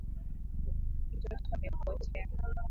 Mtoto amepotea